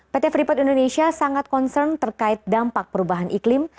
pt freeport indonesia sangat concern terkait dampak perubahan iklim